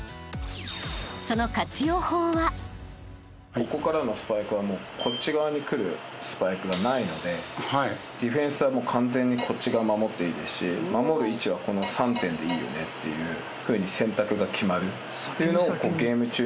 ここからのスパイクはこっち側に来るスパイクがないのでディフェンスは完全にこっち側守っていいですし守る位置はこの３点でいいよねっていうふうに選択が決まるっていうのを。